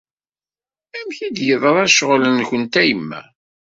Amek i d-yeḍra ccɣel-nkent a Yemma?